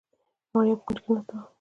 ماريا په کونج کې ناسته وه.